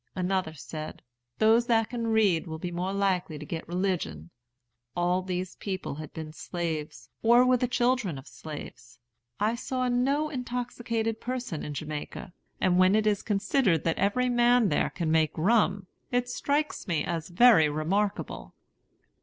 Another said, 'Those that can read will be more likely to get religion.' All these people had been slaves, or were the children of slaves. I saw no intoxicated person in Jamaica; and when it is considered that every man there can make rum, it strikes me as very remarkable."